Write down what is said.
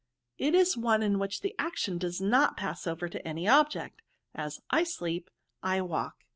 '* "It is one in which the action does not pass over to any object ; as, I sleep, I walk.'